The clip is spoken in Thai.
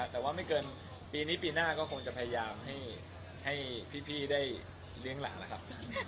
แต่ว่าไม่เกินปีนี้ปีหน้าก็คงจะพยายามให้พี่ได้เลี้ยงหลานแล้วครับ